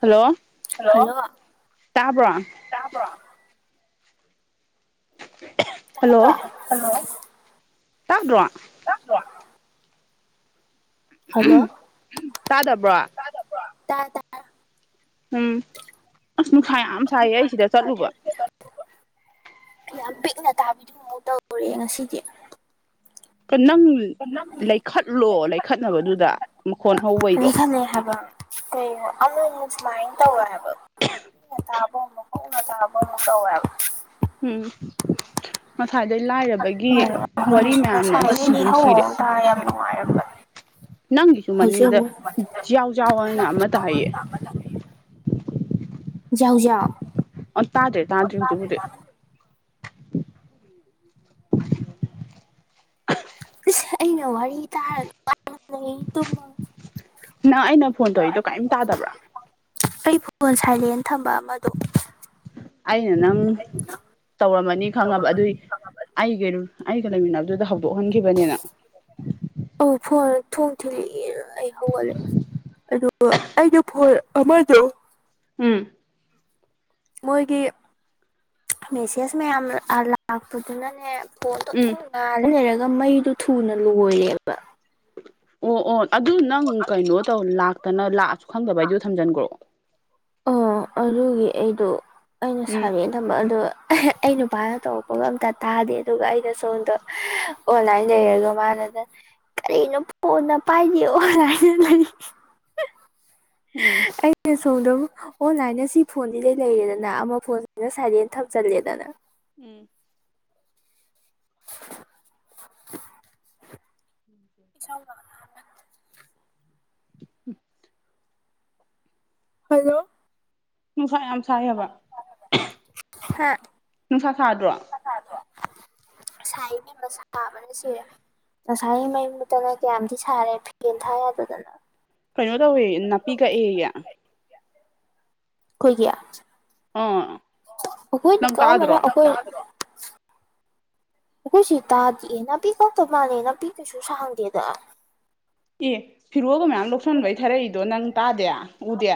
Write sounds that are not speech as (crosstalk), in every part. Hello hello ꯇꯥꯕ꯭ꯔꯣ ꯇꯥꯕ꯭ꯔꯣ (unintelligible) hello ꯇꯥꯗꯔꯣ ꯍꯜꯂꯣ ꯇꯥꯗꯕ꯭ꯔꯣ ꯇꯥꯗꯕꯔꯣ ꯇꯥꯏ ꯇꯥꯏ ꯎꯝ ꯑꯁ ꯅꯨꯡꯁꯥ ꯌꯥꯝ ꯁꯥꯏꯌꯦ ꯑꯩ ꯁꯤꯗ ꯆꯠꯂꯨꯕ ꯌꯥꯝ ꯄꯤꯛꯅ ꯇꯥꯕꯤꯗꯨ ꯃꯨꯛ ꯇꯧꯔꯦ ꯉꯁꯤꯗꯤ ꯅꯪ ꯂꯩꯈꯠꯂꯣ ꯂꯩꯈꯠꯅꯕꯗꯨꯗ ꯃꯈꯣꯟ ꯍꯧꯕꯩꯗꯣ (unintelligible) ꯀꯩꯅꯦ ꯑꯃꯨꯛ ꯃꯨꯛ ꯁꯨꯃꯥꯏꯅꯥ ꯇꯧꯏ ꯍꯥꯏꯕ ꯇꯞꯅꯥ ꯇꯥꯕ ꯑꯃꯨꯛ ꯍꯧꯅ ꯇꯥꯕ ꯑꯃꯨꯛ ꯇꯧꯋꯦꯕ ꯎꯝ ꯉꯁꯥꯏꯗꯩ ꯂꯥꯏꯔꯕꯒꯤ ꯋꯥꯔꯤ ꯃꯌꯥꯝꯅ ꯁꯤ ꯉꯁꯥꯏꯗꯩꯗꯤ ꯗꯨꯝ ꯍꯧ ꯁꯤꯔꯦ ꯅꯪꯒꯤꯁꯨ ꯍꯧꯖꯤꯛ ꯃꯅꯤꯡꯗ ꯑꯃꯨꯛ ꯖꯥꯎ ꯖꯥꯎ ꯍꯥꯏꯅ ꯑꯃ ꯇꯥꯏꯌꯦ ꯌꯥꯎ ꯌꯥꯥꯎ ꯑꯣ ꯇꯥꯗꯔꯦ ꯇꯥꯗꯔꯦ ꯍꯧꯖꯤꯛ ꯄꯨꯗꯤ ꯏꯁ ꯑꯩꯅ ꯋꯥꯔꯤ ꯇꯥꯔꯒ ꯅꯪ ꯑꯩꯅ ꯐꯣꯟ ꯇꯧꯔꯤꯗꯣ ꯀꯔꯤꯝ ꯇꯥꯗꯕ꯭ꯔꯥ (unintelligible) ꯑꯩ ꯐꯣꯟ ꯁꯥꯏꯂꯦꯟ ꯊꯝꯕ ꯑꯃꯗꯣ ꯑꯩꯅ ꯅꯪ ꯇꯧꯔꯝꯃꯅꯤ ꯈꯪꯉꯕ ꯑꯗꯨꯏꯅꯤ ꯑꯩꯒ ꯂꯩꯃꯤꯟꯅꯕꯗꯨꯗ ꯍꯧꯗꯣꯛꯍꯟꯈꯤꯕꯅꯤꯅꯪ ꯑꯧ ꯐꯣꯟ ꯊꯣꯡ ꯊꯤꯂꯛꯑꯦꯅ ꯑꯩ ꯍꯧꯒꯠꯂꯦ ꯑꯗꯨꯒ ꯑꯩꯗꯣ ꯐꯣꯟ ꯑꯃꯗꯣ ꯎꯝ ꯃꯣꯏꯒꯤ ꯃꯦꯁꯦꯖ ꯃꯌꯥꯝ ꯂꯥꯛꯄꯗꯨꯅꯅꯦ ꯐꯣꯟꯗꯣ ꯎꯝ ꯑꯗꯨꯝ ꯂꯩꯔꯒ ꯃꯩꯗꯨ ꯊꯨꯅ ꯂꯣꯏꯔꯦꯕ ꯑꯣ ꯑꯣ ꯑꯗꯨ ꯅꯪ ꯀꯩꯅꯣ ꯇꯧ ꯂꯥꯛꯇꯅ ꯂꯥꯛꯑꯁꯨ ꯈꯪꯗꯕꯩꯗꯨꯗ ꯊꯝꯖꯤꯟꯒ꯭ꯔꯣ ꯑꯣ ꯑꯗꯨꯒꯤ ꯑꯩꯗꯣ ꯑꯩꯅ ꯎꯝ ꯁꯥꯏꯔꯦꯜ ꯊꯝꯕ ꯑꯗꯣ ꯑꯩ ꯅꯨꯄꯥꯅ ꯇꯧꯔꯛꯄꯒ ꯑꯝꯇ ꯇꯥꯗꯦ ꯑꯗꯨꯒ ꯑꯩꯅ ꯁꯣꯝꯗ ꯑꯣꯟꯂꯥꯏꯟ ꯂꯩꯔꯒ ꯃꯥꯅꯗ ꯀꯔꯤꯅꯣ ꯐꯣꯟꯅ ꯄꯥꯏꯗꯦ ꯑꯣꯟꯂꯥꯏꯟꯅ ꯂꯩ (unintelligible) ꯎꯝ ꯑꯩꯅ ꯁꯣꯝꯗ ꯑꯣꯟꯂꯥꯏꯟ ꯅꯟꯁꯤ ꯐꯣꯟꯁꯤꯗꯩ ꯂꯩꯔꯦꯗꯅ ꯑꯃ ꯐꯣꯟꯁꯤꯅ ꯁꯥꯏꯂꯦꯟ ꯊꯝꯖꯤꯜꯂꯦꯗꯅ ꯎꯝ ꯏꯆꯥꯎꯒ (unintelligible) ꯍꯜꯂꯣ ꯅꯨꯡꯁꯥ ꯌꯥꯝ ꯁꯥꯏ ꯍꯥꯏꯕ ꯅꯨꯡꯁꯥ ꯁꯥꯗ꯭ꯔꯣ ꯁꯥꯗꯔꯣ ꯁꯥꯏ ꯏꯕꯦꯝꯃ ꯁꯥꯕꯅ ꯁꯤꯔꯦ ꯉꯁꯥꯏꯉꯩ ꯃꯩ ꯃꯨꯠꯇꯅ ꯀꯌꯥꯝꯊꯤ ꯁꯥꯔꯦ ꯐꯦꯟ ꯊꯥ ꯌꯥꯗꯗꯅ ꯀꯩꯅꯣ ꯇꯧꯋꯦꯌꯦ ꯅꯥꯄꯤ ꯀꯛꯑꯦꯌꯦ ꯑꯈꯣꯏꯒꯤ ꯑꯥ ꯑꯩꯈꯣꯏꯗꯤ ꯅꯪ ꯀꯥꯛꯑꯝꯃꯣꯏꯗ ꯇꯥꯗ꯭ꯔꯣ ꯑꯩꯈꯣꯏ (unintelligible) ꯑꯩꯈꯣꯏꯁꯦ ꯇꯥꯗꯤꯌꯦ ꯅꯥꯄꯤ ꯀꯛꯇꯕ ꯃꯥꯜꯂꯦ ꯅꯥꯄꯤ ꯀꯩꯁꯨ ꯁꯥꯡꯗꯦꯗ ꯑꯦ ꯐꯤꯔꯣꯜꯒ ꯃꯌꯥꯝ ꯂꯧꯁꯟꯕꯩ ꯊꯥꯔꯛꯏꯗꯣ ꯅꯪ ꯇꯥꯗꯦ ꯎꯗꯦ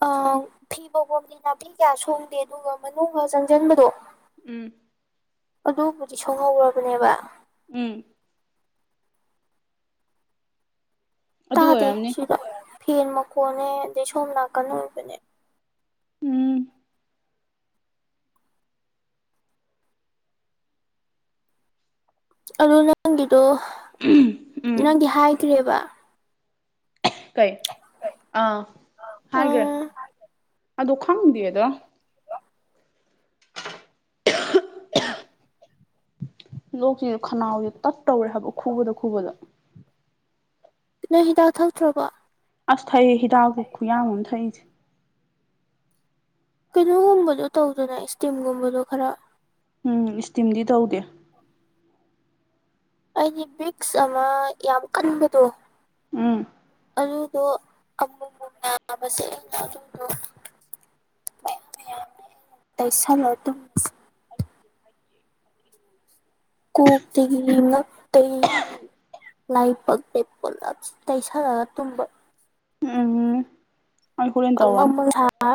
ꯑꯣ ꯑ ꯐꯤ ꯐꯧꯕꯝꯗꯤ ꯅꯥꯄꯤ ꯀꯌꯥ ꯁꯣꯡꯗꯦ ꯑꯗꯨꯒ ꯃꯅꯨꯡꯗ ꯆꯪꯁꯤꯟꯕꯗꯣ ꯎꯝ ꯑꯗꯨꯕꯨꯗꯤ ꯁꯣꯡꯍꯧꯔꯕꯅꯦꯕ ꯎꯝ ꯑꯗꯨ ꯇꯥꯗꯦ ꯑꯣꯏꯔꯝꯅꯤ ꯁꯤꯗ ꯐꯦꯟ ꯃꯈꯣꯟꯅꯦ ꯑꯗꯩ ꯁꯣꯝ ꯅꯥꯀꯟ ꯑꯣꯏꯕꯅꯦ ꯎꯝ ꯑꯗꯨ ꯅꯪꯒꯤꯗꯣ ꯎꯝ ꯅꯪꯗꯤ ꯍꯥꯏꯈ꯭ꯔꯦꯕ ꯀꯩ ꯑꯥ ꯍꯥꯏꯒ꯭ꯔꯦ ꯎꯝ ꯑꯗꯣ ꯈꯪꯗꯦꯗ ꯂꯣꯛꯁꯤꯁꯨ ꯈꯅꯥꯎꯁꯦ ꯇꯠ ꯇꯧꯔꯦ ꯍꯥꯏꯕ ꯈꯨꯕꯗ ꯈꯨꯕꯗ ꯅꯪ ꯍꯤꯗꯥꯛ ꯊꯛꯇ꯭ꯔꯕꯣ ꯑꯁ ꯊꯩꯏ ꯍꯤꯗꯥꯛꯁꯨ ꯈꯨꯌꯥꯝ ꯑꯃ ꯊꯛꯏꯁꯦ꯫ ꯀꯩꯅꯣꯒꯨꯝꯕꯗꯣ ꯇꯧꯗꯅ ꯏꯁꯇꯤꯝꯒꯨꯝꯕꯗꯣ ꯈꯔ꯫ ꯎꯝ ꯏꯁꯇꯤꯝꯗꯤ ꯇꯧꯗꯦ꯫ ꯑꯩꯒꯤ ꯕꯤꯛꯁ ꯑꯃ ꯌꯥꯝ ꯀꯟꯕꯗꯣ? ꯎꯝ ꯑꯗꯨꯗꯣ (unintelligible) ꯑꯗꯨꯗꯣ ꯃꯌꯥꯝ-ꯃꯌꯥꯝꯅꯤ ꯑꯩꯅ ꯇꯩꯁꯜꯂꯒ ꯇꯨꯝꯃꯤꯁꯦ꯫ ꯀꯣꯛꯇꯒꯤ ꯉꯛꯇꯒꯤ꯫ ꯂꯥꯏ ꯄꯛꯇ ꯄꯨꯂꯞ ꯇꯩꯁꯔꯒ ꯇꯨꯝꯕ꯫ ꯎꯝ ꯑꯩ ꯍꯣꯔꯦꯟ ꯇꯧꯔꯅꯤ ꯄꯪ-ꯄꯪ ꯁꯔ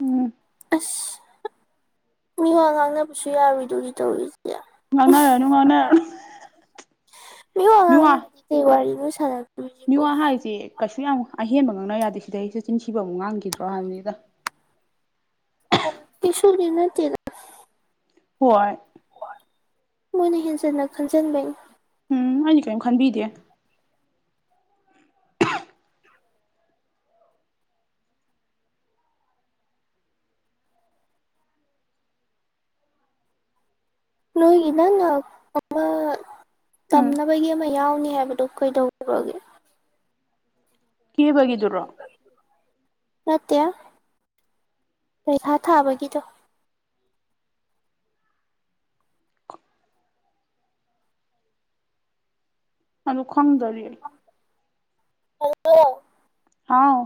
ꯎꯝ ꯑꯁ ꯃꯤꯋꯥ ꯉꯥꯡꯅꯕꯁꯨ ꯌꯥꯔꯨꯗꯣꯔꯤ ꯇꯧꯔꯤꯁꯦ꯫ ꯉꯥꯡꯅꯔꯅꯨ ꯉꯥꯡꯅꯔꯅꯨ ꯃꯤꯉꯥꯡꯅ ꯃꯤꯋꯥ ꯀꯩ ꯋꯥꯔꯤꯅꯣ ꯁꯥꯗꯣꯢꯁꯦ ꯃꯤꯋꯥ ꯍꯥꯏꯁꯦ ꯀꯩꯁꯨ ꯌꯥꯝ ꯑꯍꯦꯟꯕ ꯉꯥꯡꯅꯕ ꯌꯥꯗꯦ ꯁꯤꯗꯩꯁꯨꯦ ꯆꯤꯟꯁꯤꯕ ꯑꯃꯨꯛ ꯉꯥꯡꯈꯤꯗ꯭ꯔꯣ ꯍꯥꯏꯕꯅꯤꯗ ꯑꯣ ꯀꯁꯨ ꯂꯤꯅꯠꯇꯦꯗ ꯍꯣꯏ ꯃꯣꯏꯅ ꯍꯦꯟꯖꯟꯅ ꯈꯟꯖꯤꯟꯕꯅꯤ ꯎꯝ ꯑꯩꯗꯤ ꯀꯔꯤꯝ ꯈꯟꯕꯤꯗꯦ ꯅꯣꯏꯒꯤ ꯅꯪꯅ ꯑꯃ ꯎꯝ ꯇꯝꯅꯕꯒꯤ ꯑꯃ ꯌꯥꯎꯅꯤ ꯍꯥꯏꯕꯗꯣ ꯀꯩꯗꯧꯖꯈ꯭ꯔꯒꯦ ꯀꯦꯕꯒꯤꯗꯨꯔꯣ ꯅꯠꯇꯦ ꯄꯩꯈꯥ ꯊꯥꯕꯒꯤꯗꯣ ꯑꯗꯨ ꯈꯣꯡꯗꯔꯤ ꯍꯜꯂꯣ ꯑꯥꯎ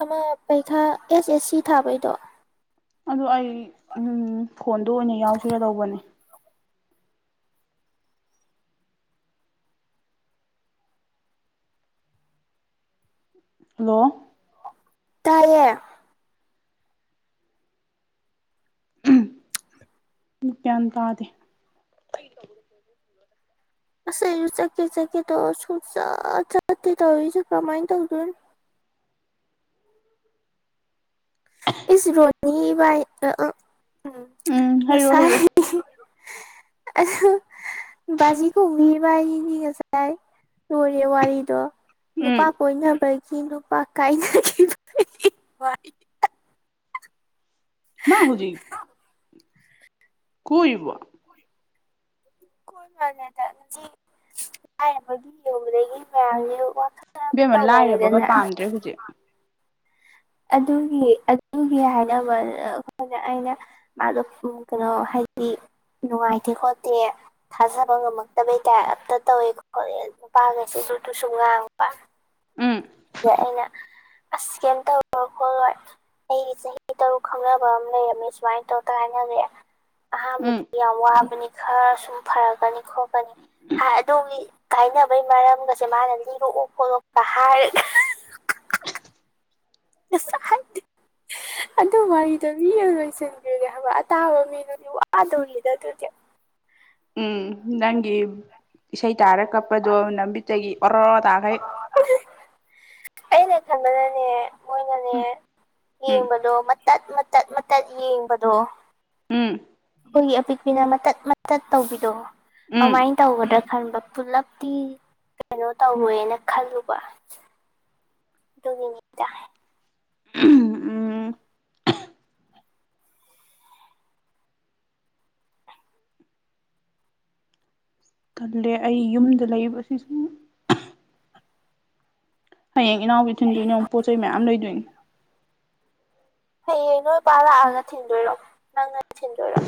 ꯑꯃ ꯄꯩꯈꯥ ꯑꯦꯁ ꯑꯦꯁ ꯁꯤ ꯊꯥꯕꯩꯗꯣ ꯑꯗꯣ ꯑꯩ ꯐꯣꯟꯗꯣ ꯑꯣꯏꯅ ꯌꯥꯎꯁꯤꯔꯗꯧꯕꯅꯦ ꯍꯜꯂꯣ ꯇꯌꯦ ꯀ꯭ꯌꯥꯟ ꯇꯥꯗꯦ ꯑꯁ ꯑꯩꯁꯨ ꯆꯠꯀꯦ ꯆꯠꯀꯦ ꯇꯣ ꯁꯨꯡꯆꯠ ꯆꯠꯇꯦ ꯇꯧꯔꯤꯁꯨ ꯀꯃꯥꯏꯅ ꯇꯧꯗꯣꯏꯅꯣ ꯏꯁ ꯔꯣꯅꯤ ꯏ ꯍꯥꯏꯔꯣ ꯍꯥꯏꯔꯣ ꯎꯝ ꯉꯁꯥꯏ ꯖꯤ ꯀꯧꯕ ꯏ ꯉꯁꯥꯏ ꯂꯣꯏꯔꯦ ꯋꯥꯔꯤꯗꯣ ꯅꯨꯄꯥ ꯎꯝ ꯀꯣꯏꯅꯕꯒꯤ ꯅꯨꯄꯥ ꯀꯥꯏꯅꯈꯤꯕꯒꯤ ꯃꯥ ꯍꯧꯖꯤꯛ ꯀꯣꯏꯔꯤꯕ (unintelligible) ꯏꯕꯦꯝꯃ ꯂꯥꯏꯔꯕꯒ ꯇꯧꯅꯔꯦꯗꯅ ꯄꯥꯝꯗ꯭ꯔꯦ ꯍꯧꯖꯤꯛ ꯑꯗꯨꯒꯤ ꯑꯗꯨꯒꯤ ꯍꯥꯏꯅꯕ ꯑꯩꯈꯣꯏꯅ ꯑꯩꯅ ꯃꯥꯗꯣ ꯀꯩꯅꯣ ꯍꯥꯏꯗꯤ ꯅꯨꯡꯉꯥꯏꯇꯦ ꯈꯣꯠꯇꯦ ꯊꯥꯖꯕ ꯉꯝꯃꯛꯇꯕꯩꯇ ꯑꯝꯇ ꯇꯧꯋꯦ ꯈꯣꯠꯂꯦ ꯅꯨꯄꯥꯒꯁꯤꯁꯨ ꯇꯨ ꯁ ꯉꯥꯡꯕ ꯎꯝ ꯑꯗ ꯑꯩꯅ ꯑꯁ ꯏꯁꯀꯦꯟ ꯇꯧꯔꯣ ꯈꯣꯠꯂꯣ ꯑꯩ ꯆꯍꯤ ꯇꯔꯨꯛ ꯈꯪꯅꯕ ꯑꯃ ꯂꯩꯔꯝꯃꯦ ꯁꯨꯃꯥꯏꯅ ꯇꯧ ꯇ ꯍꯥꯏꯅꯈꯦ ꯎꯝ ꯑꯍꯥꯟꯕꯗꯤ ꯌꯥꯝ ꯋꯥꯕꯅꯤ ꯈꯔ ꯁꯨꯝ ꯐꯔꯛꯒꯅꯤ ꯈꯣꯠꯀꯅꯤ ꯑꯗꯨꯒꯤ ꯀꯥꯏꯅꯕꯩ ꯃꯔꯝꯒꯁꯦ ꯃꯥꯅ ꯂꯤꯔꯣꯛꯑꯣ ꯈꯣꯠꯂꯛꯄ ꯍꯥꯔ (unintelligible) ꯑꯗꯨ ꯋꯥꯔꯤꯗ ꯃꯤ ꯂꯣꯏꯁꯤꯟꯕꯤꯔꯦ ꯍꯥꯏꯕ ꯑꯇꯥꯕ ꯃꯤꯅꯗꯤ ꯋꯥꯗꯧꯔꯤꯗ ꯑꯗꯨꯗꯤ ꯎꯝ ꯅꯪꯒꯤ ꯏꯁꯩ ꯇꯥꯔ ꯀꯛꯄꯗꯣ ꯅꯕꯤꯠꯇꯒꯤ ꯑꯣꯔꯣ ꯑꯣꯔ ꯇꯥꯈꯩ ꯑꯅꯦ ꯈꯟꯕꯅꯅꯦ ꯃꯣꯏꯅꯅꯦ ꯎꯝ ꯌꯦꯡꯕꯗꯣ ꯃꯇꯠ ꯃꯇꯠ ꯃꯇꯠ ꯌꯦꯡꯕꯗꯣ ꯎꯝ ꯑꯩꯈꯣꯏꯒꯤ ꯑꯄꯤꯛꯄꯤꯅ ꯃꯇꯠ ꯃꯇꯠ ꯇꯧꯕꯤꯔꯣꯑꯣ ꯎꯝ ꯑꯗꯨꯃꯥꯏꯅ ꯇꯧꯒꯗ꯭ꯔꯥ ꯈꯟꯕ ꯄꯨꯂꯞꯇꯤ ꯀꯩꯅꯣ ꯇꯧꯔꯦꯅ ꯈꯜꯂꯨꯕ ꯗꯨꯒꯤꯅꯤꯗ ꯎꯝ (inaudible) ꯈꯜꯂꯦ ꯑꯩ ꯌꯨꯝꯗ ꯂꯩ ꯑꯁꯤ ꯁꯨꯝ ꯍꯌꯦꯡ ꯏꯅꯥꯎꯕꯤ ꯊꯤꯟꯗꯣꯏꯅ ꯑꯃꯨ ꯄꯣꯠ ꯆꯩ ꯃꯌꯥꯝ ꯂꯩꯗꯣꯏꯅꯦ ꯍꯌꯦꯡ ꯅꯣꯏ ꯏꯄꯥ ꯂꯥꯛꯑꯒ ꯊꯤꯟꯗꯣꯏꯔꯣ ꯅꯪꯅ ꯊꯤꯟꯗꯣꯏꯔꯣ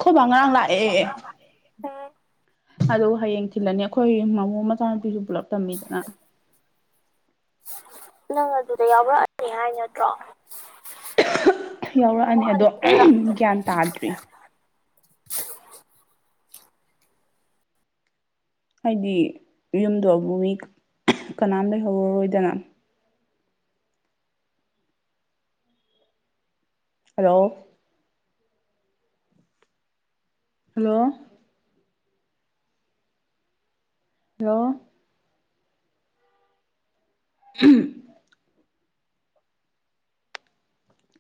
ꯑꯩꯈꯣꯏꯕꯥ ꯉꯔꯥꯡ ꯂꯥꯛꯑꯦ ꯎꯝ ꯑꯗꯨ ꯍꯌꯦꯡ ꯊꯤꯜꯂꯅꯤ ꯑꯩꯈꯣꯏ ꯃꯃꯨꯡ ꯃꯆꯥꯅꯨꯄꯤꯁꯨ ꯄꯨꯜꯂꯞ ꯇꯝꯃꯤꯗꯅ ꯅꯪ ꯑꯗꯨꯗ ꯌꯥꯎꯔꯛꯑꯒꯦ ꯍꯥꯏ ꯅꯠꯇ꯭ꯔꯣ ꯌꯥꯎꯔꯛꯑꯅꯤ ꯑꯃꯨꯛ ꯑꯗꯣ ꯍꯟꯗꯣꯏꯔꯣ ꯒ꯭ꯌꯥꯟ ꯇꯥꯗ꯭ꯔꯤ ꯍꯥꯏꯗꯤ ꯌꯨꯝꯗꯣ ꯑꯃꯕꯨ ꯃꯤ ꯀꯅꯥꯝ ꯂꯩꯍꯧꯔꯔꯣꯏꯗꯅ ꯍꯜꯂꯣ ꯍꯜꯂꯣ ꯍꯜꯂꯣ ꯎꯝ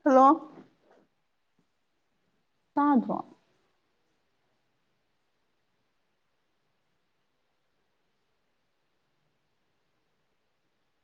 ꯍꯜꯂꯣ ꯇꯥꯗꯣ